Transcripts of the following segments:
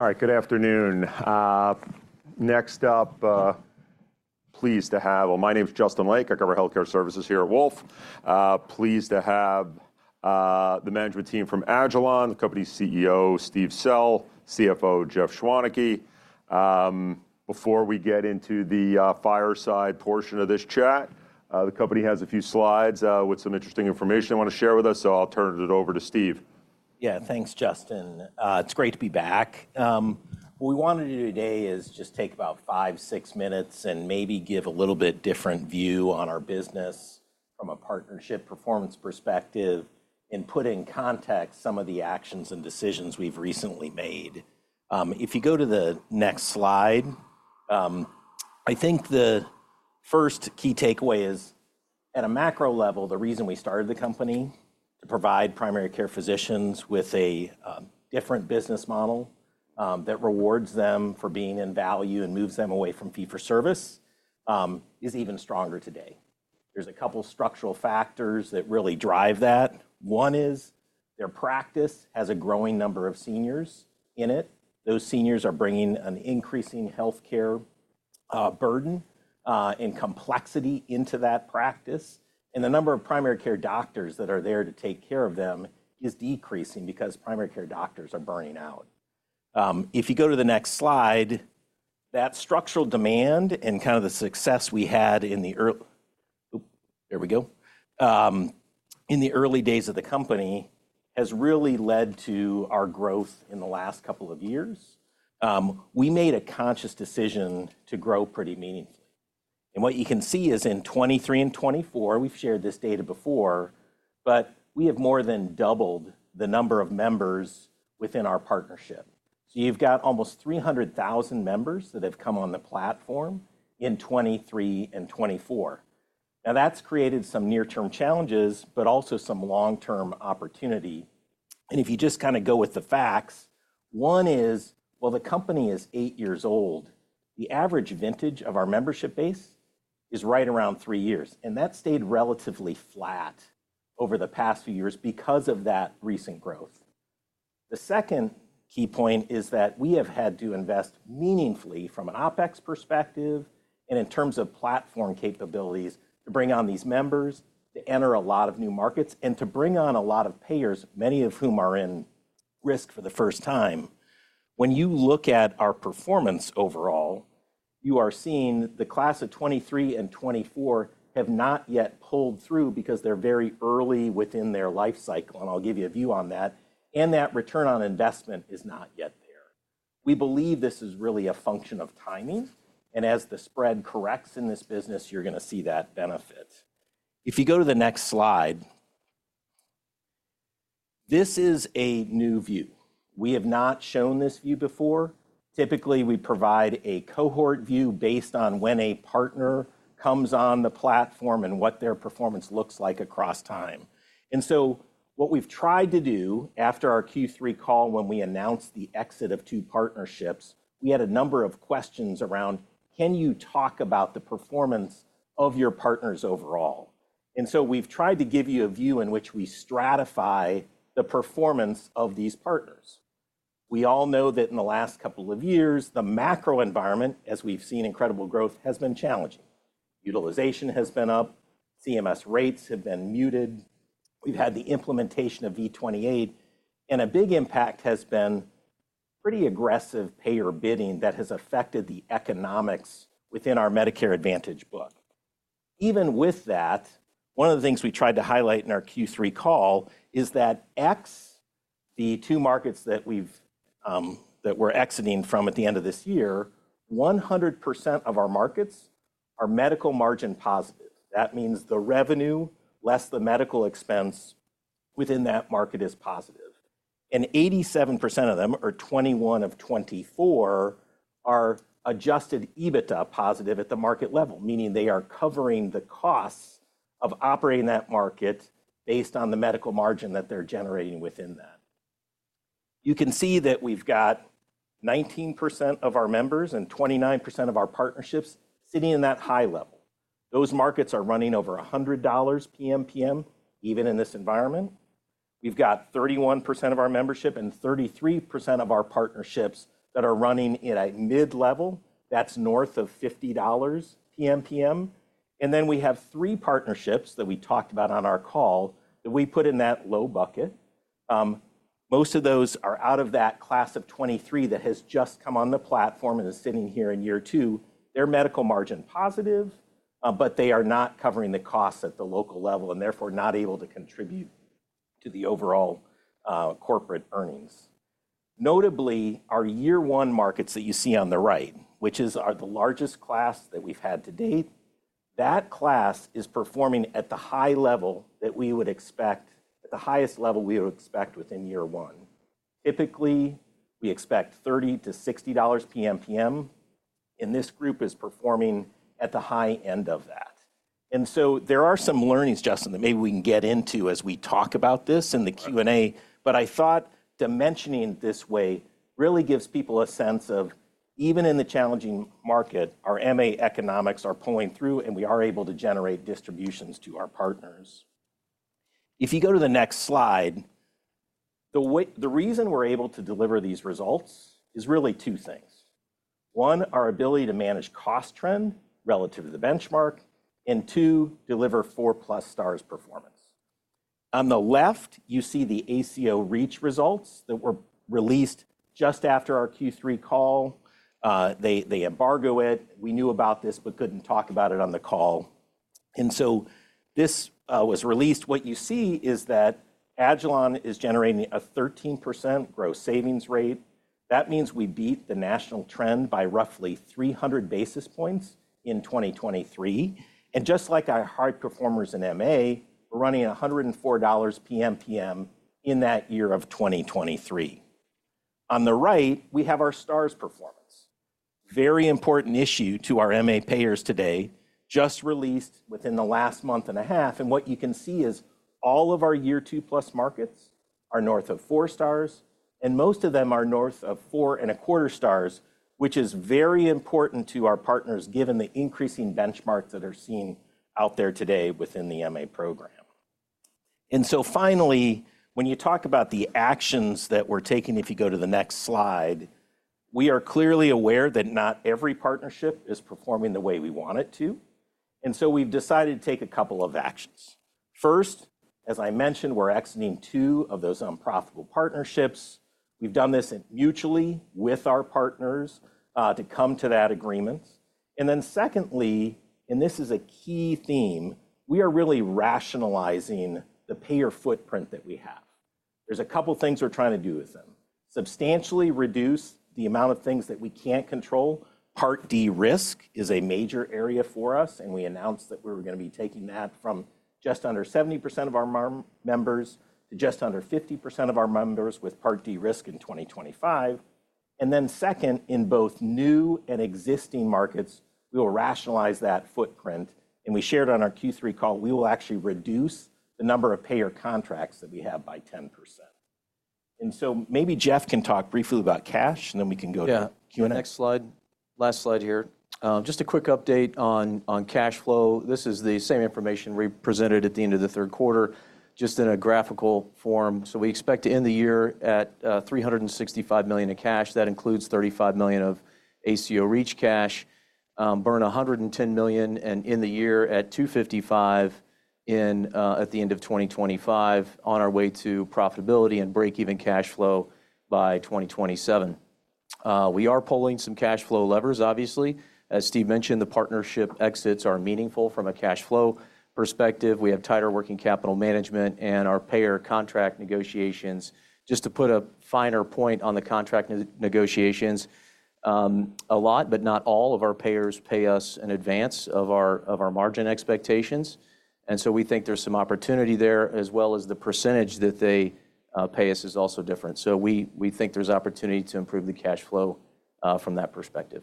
All right, good afternoon. Next up, pleased to have, my name's Justin Lake. I cover Healthcare Services here at Wolfe. Pleased to have the management team from Agilon, the company's CEO, Steve Sell, CFO, Jeff Schwaneke. Before we get into the fireside portion of this chat, the company has a few slides with some interesting information they want to share with us, so I'll turn it over to Steve. Yeah, thanks, Justin. It's great to be back. What we wanted to do today is just take about five, six minutes and maybe give a little bit different view on our business from a partnership performance perspective and put in context some of the actions and decisions we've recently made. If you go to the next slide, I think the first key takeaway is, at a macro level, the reason we started the company to provide primary care physicians with a different business model that rewards them for being in value and moves them away from fee-for-service is even stronger today. There's a couple of structural factors that really drive that. One is their practice has a growing number of seniors in it. Those seniors are bringing an increasing health care burden and complexity into that practice. And the number of primary care doctors that are there to take care of them is decreasing because primary care doctors are burning out. If you go to the next slide, that structural demand and kind of the success we had in the early days of the company has really led to our growth in the last couple of years. We made a conscious decision to grow pretty meaningfully. And what you can see is in 2023 and 2024, we've shared this data before, but we have more than doubled the number of members within our partnership. So you've got almost 300,000 members that have come on the platform in 2023 and 2024. Now, that's created some near-term challenges, but also some long-term opportunity. If you just kind of go with the facts, one is, while the company is eight years old, the average vintage of our membership base is right around three years. That stayed relatively flat over the past few years because of that recent growth. The second key point is that we have had to invest meaningfully from an OPEX perspective and in terms of platform capabilities to bring on these members, to enter a lot of new markets, and to bring on a lot of payers, many of whom are in risk for the first time. When you look at our performance overall, you are seeing the class of 2023 and 2024 have not yet pulled through because they're very early within their life cycle. I'll give you a view on that. That return on investment is not yet there. We believe this is really a function of timing, and as the spread corrects in this business, you're going to see that benefit. If you go to the next slide, this is a new view. We have not shown this view before. Typically, we provide a cohort view based on when a partner comes on the platform and what their performance looks like across time, and so what we've tried to do after our Q3 call, when we announced the exit of two partnerships, we had a number of questions around, can you talk about the performance of your partners overall, and so we've tried to give you a view in which we stratify the performance of these partners. We all know that in the last couple of years, the macro environment, as we've seen incredible growth, has been challenging. Utilization has been up. CMS rates have been muted. We've had the implementation of V28, and a big impact has been pretty aggressive payer bidding that has affected the economics within our Medicare Advantage book. Even with that, one of the things we tried to highlight in our Q3 call is that ex, the two markets that we're exiting from at the end of this year, 100% of our markets are medical margin positive. That means the revenue less the medical expense within that market is positive, and 87% of them, or 21 of 24, are adjusted EBITDA positive at the market level, meaning they are covering the costs of operating that market based on the medical margin that they're generating within that. You can see that we've got 19% of our members and 29% of our partnerships sitting in that high level. Those markets are running over $100 PMPM, even in this environment. We've got 31% of our membership and 33% of our partnerships that are running at a mid-level. That's north of $50 PMPM. And then we have three partnerships that we talked about on our call that we put in that low bucket. Most of those are out of that class of 2023 that has just come on the platform and is sitting here in year two. They're medical margin positive, but they are not covering the costs at the local level and therefore not able to contribute to the overall, corporate earnings. Notably, our year one markets that you see on the right, which is the largest class that we've had to date, that class is performing at the high level that we would expect, at the highest level we would expect within year one. Typically, we expect $30-$60 PMPM. This group is performing at the high end of that. And so there are some learnings, Justin, that maybe we can get into as we talk about this in the Q&A. But I thought dimensioning this way really gives people a sense of, even in the challenging market, our MA economics are pulling through and we are able to generate distributions to our partners. If you go to the next slide, the reason we're able to deliver these results is really two things. One, our ability to manage cost trend relative to the benchmark. And two, deliver 4+ Stars performance. On the left, you see the ACO REACH results that were released just after our Q3 call. They embargo it. We knew about this but couldn't talk about it on the call. And so this was released. What you see is that Agilon is generating a 13% gross savings rate. That means we beat the national trend by roughly 300 basis points in 2023, and just like our hard performers in MA, we're running $104 PMPM in that year of 2023. On the right, we have our Stars performance, very important issue to our MA payers today, just released within the last month and a half, and what you can see is all of our year 2+ markets are north of four Stars, and most of them are north of four and a quarter Stars, which is very important to our partners given the increasing benchmarks that are seen out there today within the MA program. And so finally, when you talk about the actions that we're taking, if you go to the next slide, we are clearly aware that not every partnership is performing the way we want it to. And so we've decided to take a couple of actions. First, as I mentioned, we're exiting two of those unprofitable partnerships. We've done this mutually with our partners, to come to that agreement. And then secondly, and this is a key theme, we are really rationalizing the payer footprint that we have. There's a couple of things we're trying to do with them, substantially reduce the amount of things that we can't control. Part D risk is a major area for us, and we announced that we were going to be taking that from just under 70% of our members to just under 50% of our members with Part D risk in 2025. And then second, in both new and existing markets, we will rationalize that footprint. And we shared on our Q3 call, we will actually reduce the number of payer contracts that we have by 10%. And so maybe Jeff can talk briefly about cash, and then we can go to Q&A. Yeah, next slide. Last slide here. Just a quick update on cash flow. This is the same information we presented at the end of the third quarter, just in a graphical form. So we expect to end the year at $365 million in cash. That includes $35 million of ACO REACH cash, burn $110 million, and end the year at $255 million, at the end of 2025 on our way to profitability and break-even cash flow by 2027. We are pulling some cash flow levers, obviously. As Steve mentioned, the partnership exits are meaningful from a cash flow perspective. We have tighter working capital management and our payer contract negotiations. Just to put a finer point on the contract negotiations, a lot, but not all of our payers pay us in advance of our margin expectations. And so we think there's some opportunity there, as well as the percentage that they pay us is also different. So we think there's opportunity to improve the cash flow from that perspective.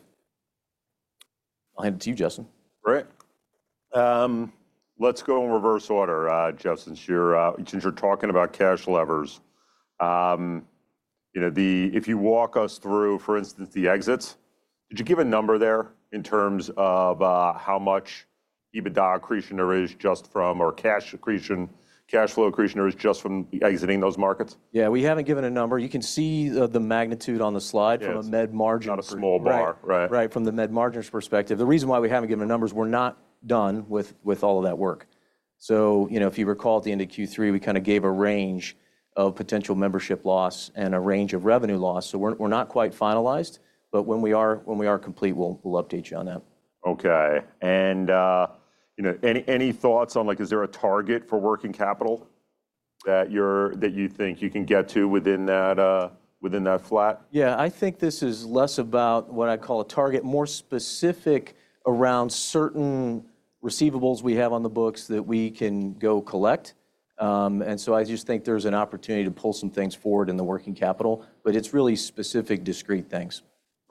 I'll hand it to you, Justin. Great. Let's go in reverse order, Jeff, since you're talking about cash levers. You know, if you walk us through, for instance, the exits, did you give a number there in terms of how much EBITDA accretion there is just from, or cash accretion, cash flow accretion there is just from exiting those markets? Yeah, we haven't given a number. You can see the magnitude on the slide from a med margin perspective. Not a small bar. Right. Right. From the med margins perspective. The reason why we haven't given numbers. We're not done with all of that work. So, you know, if you recall at the end of Q3, we kind of gave a range of potential membership loss and a range of revenue loss. So we're not quite finalized, but when we are complete, we'll update you on that. Okay. And, you know, any thoughts on, like, is there a target for working capital that you're, that you think you can get to within that, within that flat? Yeah, I think this is less about what I call a target, more specific around certain receivables we have on the books that we can go collect, and so I just think there's an opportunity to pull some things forward in the working capital, but it's really specific, discrete things.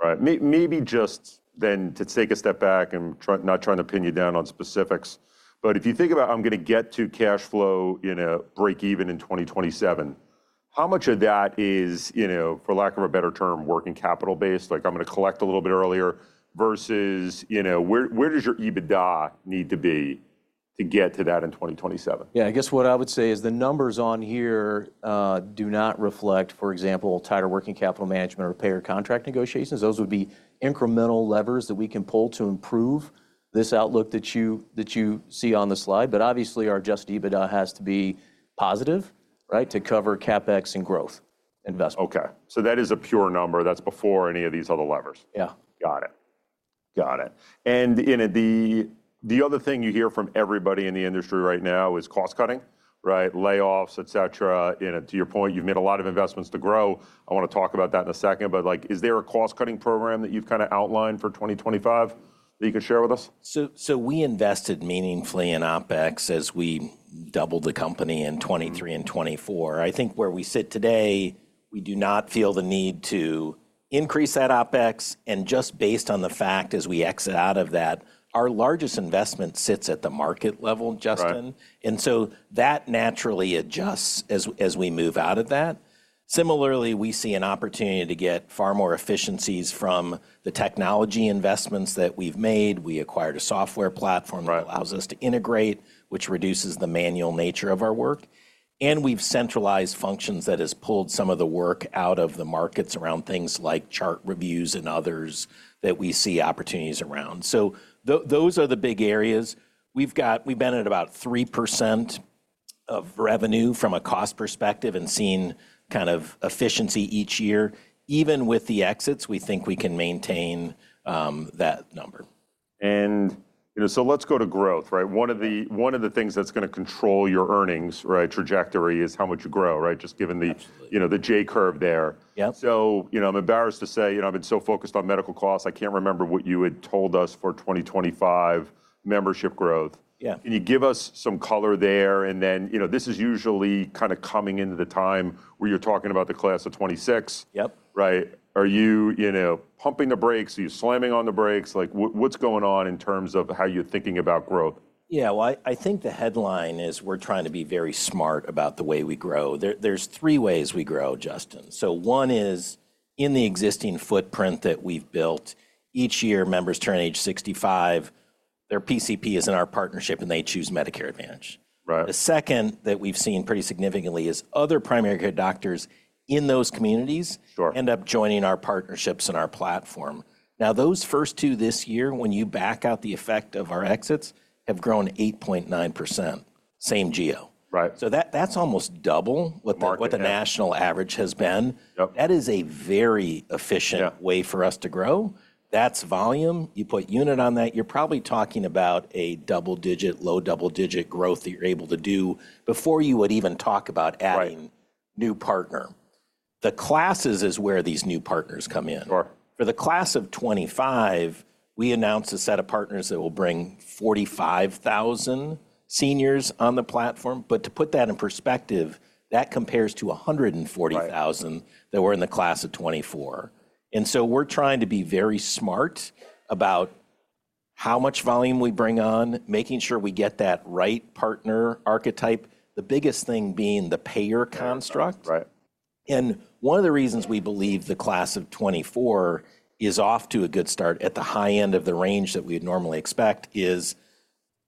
Right. Maybe just then to take a step back and try not to pin you down on specifics. But if you think about, I'm going to get to cash flow, you know, break even in 2027, how much of that is, you know, for lack of a better term, working capital based, like, I'm going to collect a little bit earlier versus, you know, where does your EBITDA need to be to get to that in 2027? Yeah, I guess what I would say is the numbers on here do not reflect, for example, tighter working capital management or payer contract negotiations. Those would be incremental levers that we can pull to improve this outlook that you see on the slide. But obviously, our adjusted EBITDA has to be positive, right, to cover CapEx and growth investment. Okay. So that is a pure number. That's before any of these other levers. Yeah. Got it. Got it. And, you know, the other thing you hear from everybody in the industry right now is cost cutting, right? Layoffs, et cetera. You know, to your point, you've made a lot of investments to grow. I want to talk about that in a second. But like, is there a cost cutting program that you've kind of outlined for 2025 that you can share with us? So we invested meaningfully in OPEX as we doubled the company in 2023 and 2024. I think where we sit today, we do not feel the need to increase that OPEX. And just based on the fact, as we exit out of that, our largest investment sits at the market level, Justin. And so that naturally adjusts as we move out of that. Similarly, we see an opportunity to get far more efficiencies from the technology investments that we've made. We acquired a software platform that allows us to integrate, which reduces the manual nature of our work. And we've centralized functions that have pulled some of the work out of the markets around things like chart reviews and others that we see opportunities around. So those are the big areas. We've been at about 3% of revenue from a cost perspective and seen kind of efficiency each year. Even with the exits, we think we can maintain that number. You know, so let's go to growth, right? One of the things that's going to control your earnings, right, trajectory is how much you grow, right? Just given the, you know, the J-curve there. Yep. You know, I'm embarrassed to say, you know, I've been so focused on medical costs. I can't remember what you had told us for 2025 membership growth. Yeah. Can you give us some color there? And then, you know, this is usually kind of coming into the time where you're talking about the class of 2026. Yep. Right? Are you, you know, pumping the brakes? Are you slamming on the brakes? Like, what's going on in terms of how you're thinking about growth? Yeah, well, I think the headline is we're trying to be very smart about the way we grow. There's three ways we grow, Justin. So one is in the existing footprint that we've built. Each year, members turn age 65, their PCP is in our partnership and they choose Medicare Advantage. Right. The second that we've seen pretty significantly is other primary care doctors in those communities end up joining our partnerships and our platform. Now, those first two this year, when you back out the effect of our exits, have grown 8.9%. Same geo. Right. So that's almost double what the national average has been. That is a very efficient way for us to grow. That's volume. You put unit on that, you're probably talking about a double-digit, low double-digit growth that you're able to do before you would even talk about adding new partner. The classes is where these new partners come in. Sure. For the class of 2025, we announced a set of partners that will bring 45,000 seniors on the platform. But to put that in perspective, that compares to 140,000 that were in the class of 2024. And so we're trying to be very smart about how much volume we bring on, making sure we get that right partner archetype, the biggest thing being the payer construct. Right. One of the reasons we believe the class of 2024 is off to a good start at the high end of the range that we would normally expect is,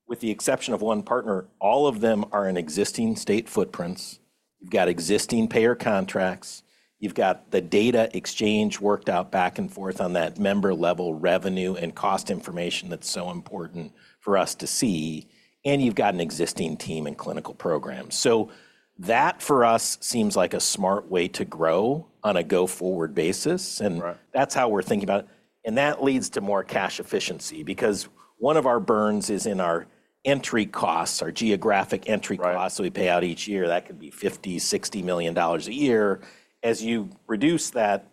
with the exception of one partner, all of them are in existing state footprints. You've got existing payer contracts. You've got the data exchange worked out back and forth on that member-level revenue and cost information that's so important for us to see. And you've got an existing team and clinical program. So that for us seems like a smart way to grow on a go-forward basis. And that's how we're thinking about it. And that leads to more cash efficiency because one of our burns is in our entry costs, our geographic entry costs that we pay out each year. That could be $50, $60 million a year. As you reduce that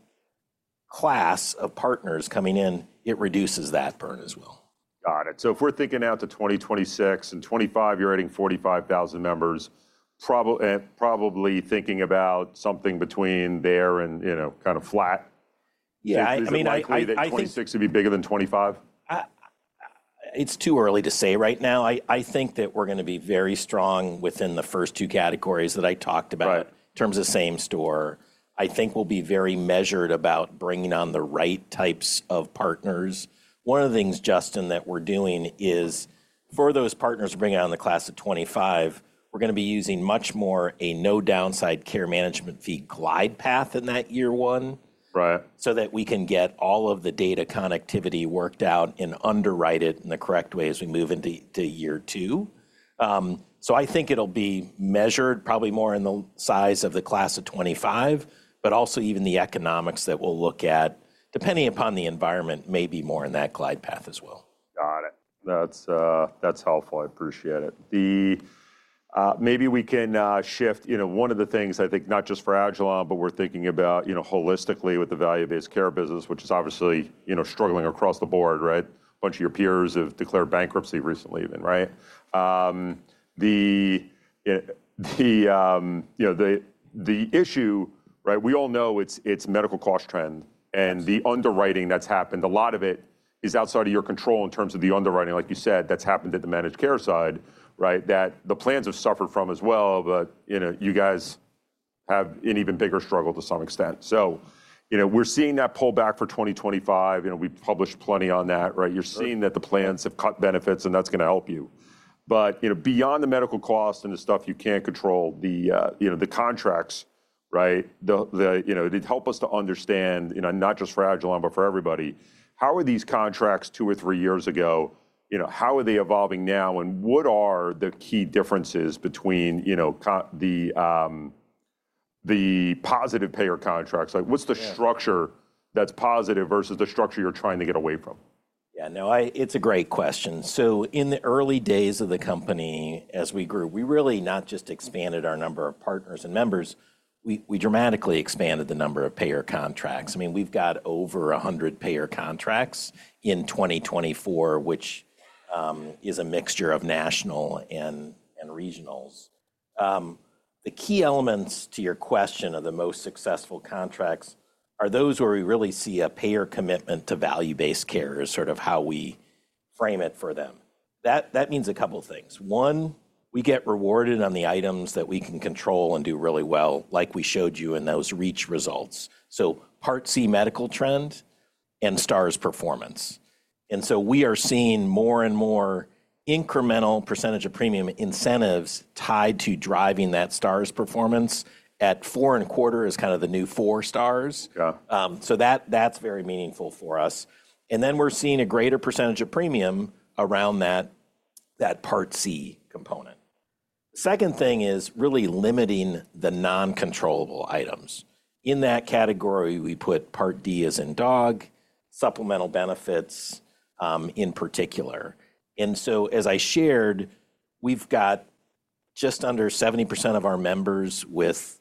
class of partners coming in, it reduces that burn as well. Got it. So if we're thinking out to 2026 and 2025, you're adding 45,000 members, probably thinking about something between there and, you know, kind of flat. Yeah. I mean, I think. 2026 to be bigger than 2025? It's too early to say right now. I think that we're going to be very strong within the first two categories that I talked about in terms of same store. I think we'll be very measured about bringing on the right types of partners. One of the things, Justin, that we're doing is for those partners we're bringing on the class of 2025, we're going to be using much more a no-downside care management fee glide path in that year one. Right. So that we can get all of the data connectivity worked out and underwrite it in the correct way as we move into year two. So I think it'll be measured probably more in the size of the class of 2025, but also even the economics that we'll look at, depending upon the environment, maybe more in that glide path as well. Got it. That's helpful. I appreciate it. Maybe we can shift, you know, one of the things I think not just for Agilon, but we're thinking about, you know, holistically with the value-based care business, which is obviously, you know, struggling across the board, right? A bunch of your peers have declared bankruptcy recently even, right? You know, the issue, right? We all know it's medical cost trend and the underwriting that's happened. A lot of it is outside of your control in terms of the underwriting, like you said, that's happened at the managed care side, right? That the plans have suffered from as well, but, you know, you guys have an even bigger struggle to some extent. So, you know, we're seeing that pullback for 2025. You know, we've published plenty on that, right? You're seeing that the plans have cut benefits and that's going to help you. But, you know, beyond the medical cost and the stuff you can't control, you know, the contracts, right? You know, it helped us to understand, you know, not just for Agilon, but for everybody, how were these contracts two or three years ago, you know, how are they evolving now? And what are the key differences between, you know, the positive payer contracts? Like, what's the structure that's positive versus the structure you're trying to get away from? Yeah, no, it's a great question. So in the early days of the company, as we grew, we really not just expanded our number of partners and members, we dramatically expanded the number of payer contracts. I mean, we've got over 100 payer contracts in 2024, which is a mixture of national and regionals. The key elements to your question of the most successful contracts are those where we really see a payer commitment to value-based care, is sort of how we frame it for them. That means a couple of things. One, we get rewarded on the items that we can control and do really well, like we showed you in those REACH results. So Part C medical trend and Stars performance. And so we are seeing more and more incremental percentage of premium incentives tied to driving that Stars performance at four and a quarter is kind of the new four Stars. Yeah. That's very meaningful for us. And then we're seeing a greater percentage of premium around that Part C component. The second thing is really limiting the non-controllable items. In that category, we put Part D as in dog, supplemental benefits, in particular. And so, as I shared, we've got just under 70% of our members with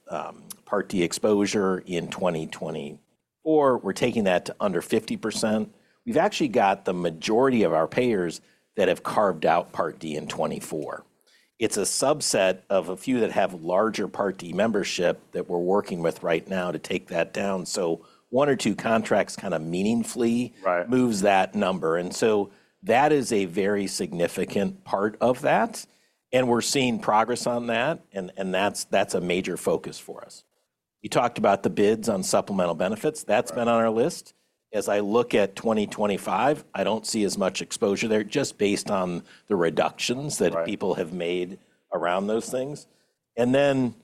Part D exposure in 2024. We're taking that to under 50%. We've actually got the majority of our payers that have carved out Part D in 2024. It's a subset of a few that have larger Part D membership that we're working with right now to take that down. So one or two contracts kind of meaningfully moves that number. And so that is a very significant part of that. And we're seeing progress on that. And that's a major focus for us. You talked about the bids on supplemental benefits. That's been on our list. As I look at 2025, I don't see as much exposure there just based on the reductions that people have made around those things, and then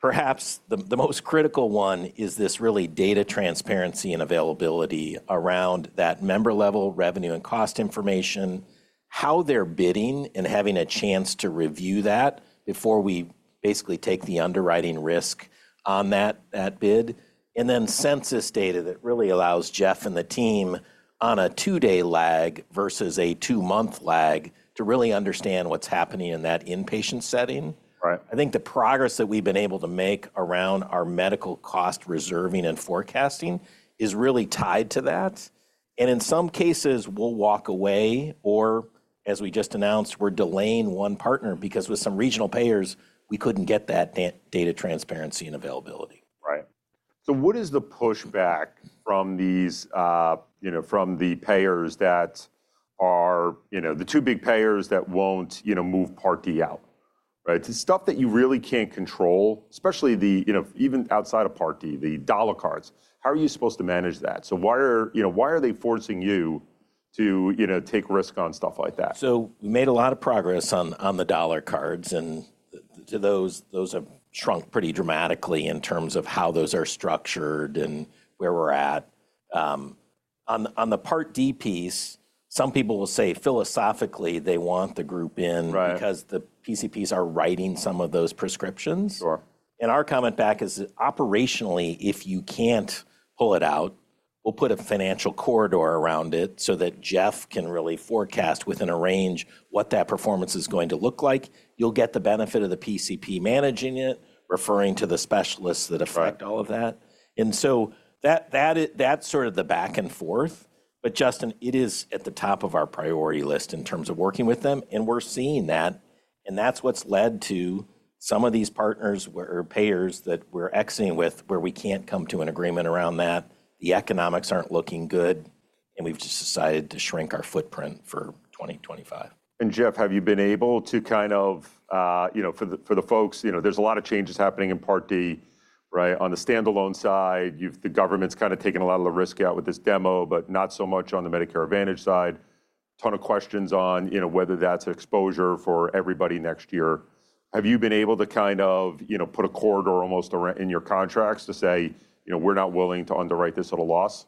perhaps the most critical one is this really data transparency and availability around that member-level revenue and cost information, how they're bidding and having a chance to review that before we basically take the underwriting risk on that bid, and then census data that really allows Jeff and the team on a two-day lag versus a two-month lag to really understand what's happening in that inpatient setting. Right. I think the progress that we've been able to make around our medical cost reserving and forecasting is really tied to that, and in some cases, we'll walk away or, as we just announced, we're delaying one partner because with some regional payers, we couldn't get that data transparency and availability. Right. So what is the pushback from these, you know, from the payers that are, you know, the two big payers that won't, you know, move Part D out, right? The stuff that you really can't control, especially the, you know, even outside of Part D, the dollar cards, how are you supposed to manage that? So why are, you know, why are they forcing you to, you know, take risk on stuff like that? We made a lot of progress on the dollar cards. Those have shrunk pretty dramatically in terms of how those are structured and where we're at. On the Part D piece, some people will say philosophically they want the group in because the PCPs are writing some of those prescriptions. Sure. And our comment back is operationally, if you can't pull it out, we'll put a financial corridor around it so that Jeff can really forecast within a range what that performance is going to look like. You'll get the benefit of the PCP managing it, referring to the specialists that affect all of that. And so that, that's sort of the back and forth. But Justin, it is at the top of our priority list in terms of working with them. And we're seeing that. And that's what's led to some of these partners or payers that we're exiting with where we can't come to an agreement around that. The economics aren't looking good. And we've just decided to shrink our footprint for 2025. And Jeff, have you been able to kind of, you know, for the folks, you know, there's a lot of changes happening in Part D, right? On the standalone side, you've, the government's kind of taken a lot of the risk out with this demo, but not so much on the Medicare Advantage side. A ton of questions on, you know, whether that's exposure for everybody next year. Have you been able to kind of, you know, put a corridor almost in your contracts to say, you know, we're not willing to underwrite this at a loss?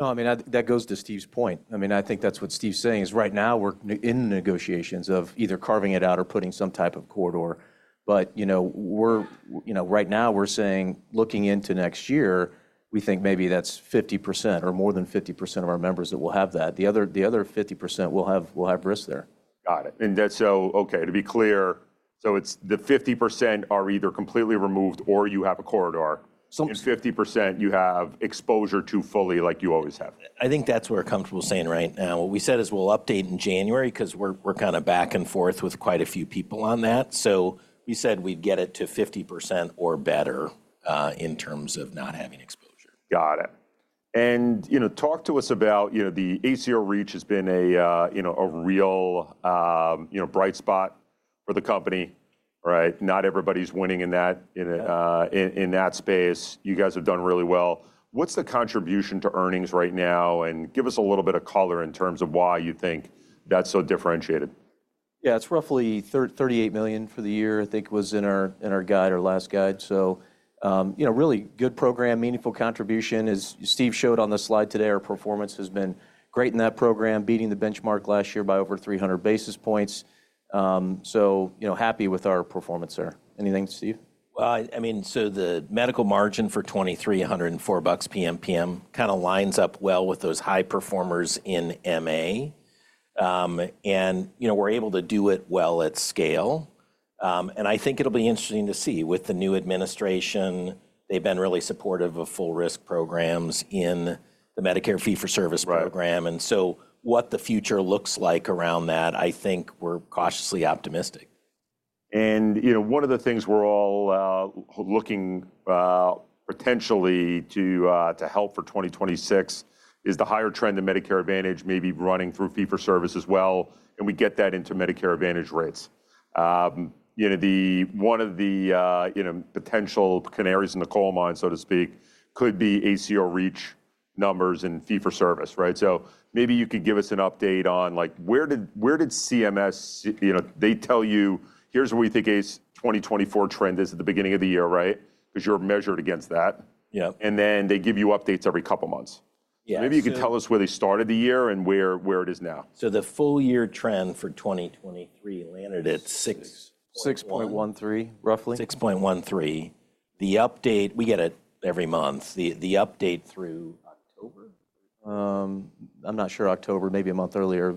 No, I mean, that goes to Steve's point. I mean, I think that's what Steve's saying is, right now we're in the negotiations of either carving it out or putting some type of corridor. But, you know, we're, you know, right now we're saying looking into next year, we think maybe that's 50% or more than 50% of our members that will have that. The other 50% we'll have risk there. Got it. And that's so, okay, to be clear, so it's the 50% are either completely removed or you have a corridor. So. 50% you have exposure to fully like you always have. I think that's what we're comfortable saying right now. What we said is we'll update in January because we're kind of back and forth with quite a few people on that. So we said we'd get it to 50% or better in terms of not having exposure. Got it. And, you know, talk to us about, you know, the ACO REACH has been a, you know, a real, you know, bright spot for the company, right? Not everybody's winning in that, in that space. You guys have done really well. What's the contribution to earnings right now? And give us a little bit of color in terms of why you think that's so differentiated. Yeah, it's roughly $38 million for the year. I think it was in our guide, our last guide. So, you know, really good program, meaningful contribution as Steve showed on the slide today. Our performance has been great in that program, beating the benchmark last year by over 300 basis points. So, you know, happy with our performance there. Anything, Steve? Well, I mean, so the medical margin for 2023, $104 PMPM kind of lines up well with those high performers in MA. And, you know, we're able to do it well at scale. And I think it'll be interesting to see with the new administration. They've been really supportive of full risk programs in the Medicare Fee-for-Service Program. And so what the future looks like around that, I think we're cautiously optimistic. You know, one of the things we're all looking potentially to help for 2026 is the higher trend in Medicare Advantage maybe running through fee-for-service as well. We get that into Medicare Advantage rates. You know, one of the, you know, potential canaries in the coal mine, so to speak, could be ACO REACH numbers and fee-for-service, right? Maybe you could give us an update on like where did CMS, you know, they tell you, here's what we think is 2024 trend is at the beginning of the year, right? Because you're measured against that. Yeah. And then they give you updates every couple of months. Yeah. Maybe you could tell us where they started the year and where it is now? So the full-year trend for 2023 landed at 6.13, roughly. 6.13. The update, we get it every month. The update through October? I'm not sure October, maybe a month earlier.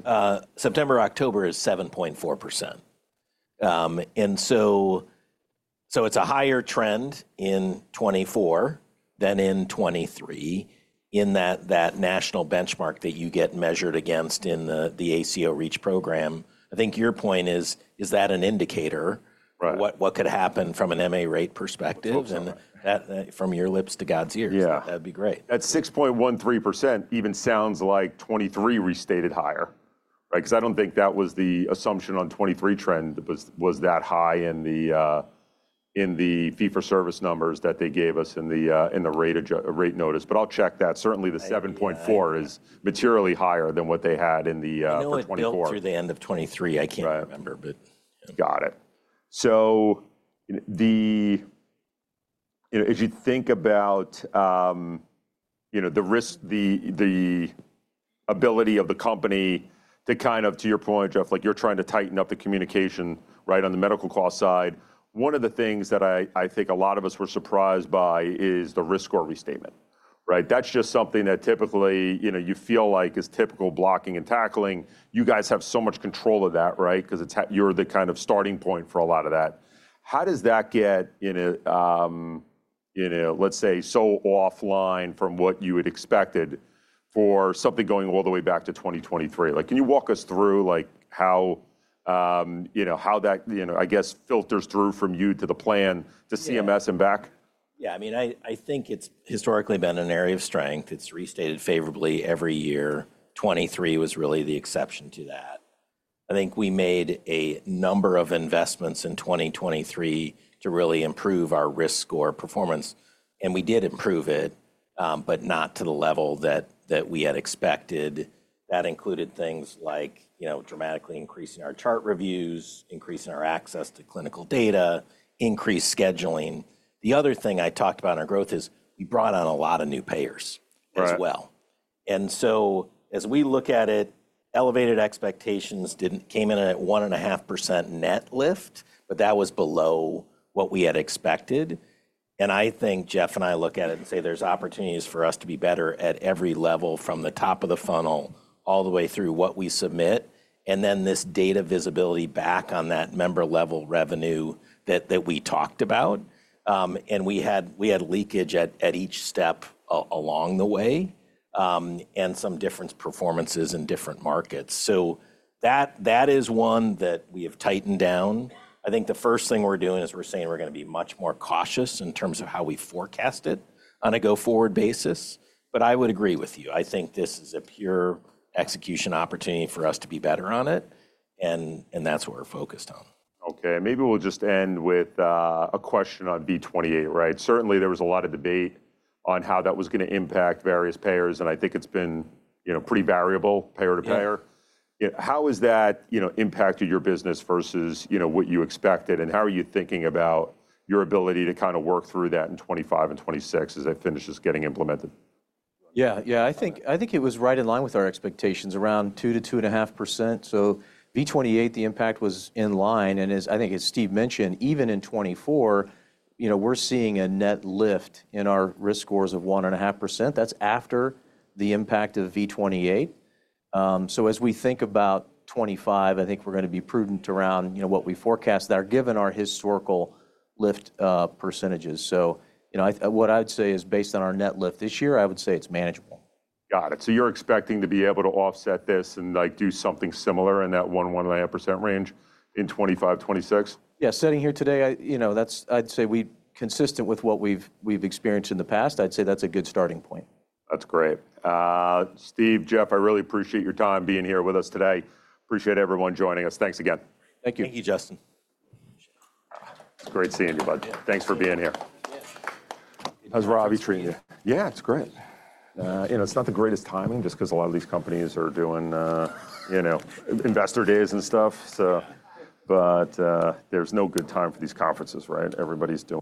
September, October is 7.4%. And so it's a higher trend in 2024 than in 2023 in that national benchmark that you get measured against in the ACO REACH program. I think your point is, is that an indicator? Right. What could happen from an MA rate perspective? Absolutely. From your lips to God's ears. Yeah. That'd be great. That 6.13% even sounds like 2023 restated higher, right? Because I don't think that was the assumption on 2023 trend was that high in the fee-for-service numbers that they gave us in the rate notice. But I'll check that. Certainly the 7.4% is materially higher than what they had in the 2024. I know it failed through the end of 2023. I can't remember, but. Got it. So the, you know, as you think about, you know, the risk, the ability of the company to kind of, to your point, Jeff, like you're trying to tighten up the communication, right, on the medical cost side. One of the things that I think a lot of us were surprised by is the risk score restatement, right? That's just something that typically, you know, you feel like is typical blocking and tackling. You guys have so much control of that, right? Because you're the kind of starting point for a lot of that. How does that get, you know, let's say so offline from what you had expected for something going all the way back to 2023? Like, can you walk us through like how, you know, how that, you know, I guess filters through from you to the plan to CMS and back? Yeah, I mean, I think it's historically been an area of strength. It's restated favorably every year. 2023 was really the exception to that. I think we made a number of investments in 2023 to really improve our risk score performance. And we did improve it, but not to the level that we had expected. That included things like, you know, dramatically increasing our chart reviews, increasing our access to clinical data, increased scheduling. The other thing I talked about in our growth is we brought on a lot of new payers as well. And so as we look at it, elevated expectations came in at 1.5% net lift, but that was below what we had expected. And I think Jeff and I look at it and say there's opportunities for us to be better at every level from the top of the funnel all the way through what we submit. And then this data visibility back on that member-level revenue that we talked about. And we had leakage at each step along the way and some different performances in different markets. So that is one that we have tightened down. I think the first thing we're doing is we're saying we're going to be much more cautious in terms of how we forecast it on a go forward basis. But I would agree with you. I think this is a pure execution opportunity for us to be better on it. And that's what we're focused on. Okay. Maybe we'll just end with a question on V28, right? Certainly there was a lot of debate on how that was going to impact various payers. And I think it's been, you know, pretty variable payer to payer. How has that, you know, impacted your business versus, you know, what you expected? And how are you thinking about your ability to kind of work through that in 2025 and 2026 as it finishes getting implemented? Yeah, yeah. I think it was right in line with our expectations around 2%-2.5%. So V28, the impact was in line. And as I think as Steve mentioned, even in 2024, you know, we're seeing a net lift in our risk scores of 1.5%. That's after the impact of V28. So as we think about 2025, I think we're going to be prudent around, you know, what we forecast there given our historical lift percentages. So, you know, what I would say is based on our net lift this year, I would say it's manageable. Got it. So you're expecting to be able to offset this and like do something similar in that 1.5% range in 2025, 2026? Yeah. Sitting here today, you know, that's, I'd say we're consistent with what we've experienced in the past. I'd say that's a good starting point. That's great. Steve, Jeff, I really appreciate your time being here with us today. Appreciate everyone joining us. Thanks again. Thank you. Thank you, Justin. It's great seeing you, bud. Thanks for being here. How's Robbie treating you? Yeah, it's great. You know, it's not the greatest timing just because a lot of these companies are doing, you know, investor days and stuff. So, but there's no good time for these conferences, right? Everybody's doing.